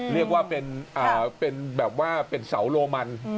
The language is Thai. เรียกว่าเป็นแบบว่าเป็นเสาโรมัน